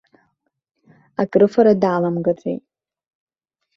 Акрыфара даламгаӡеит.